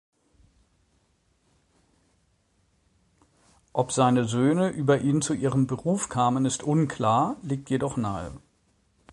Ob seine Söhne über ihn zu ihrem Beruf kamen, ist unklar, liegt jedoch nahe.